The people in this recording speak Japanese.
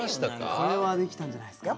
これはできたんじゃないっすか？